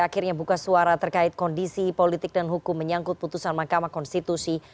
akhirnya buka suara terkait kondisi politik dan hukum menyangkut putusan mahkamah konstitusi